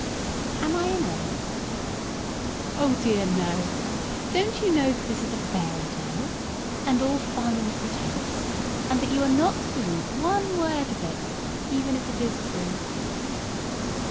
Am I in earnest? Oh dear no! Don't you know that this is a fairy tale, and all fun and pretence; and that you are not to believe one word of it, even if it is true?